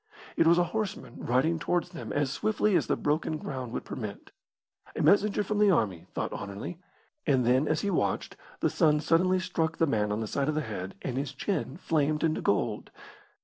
It was a horseman riding towards them as swiftly as the broken ground would permit. A messenger from the army, thought Anerley; and then, as he watched, the sun suddenly struck the man on the side of the head, and his chin flamed into gold.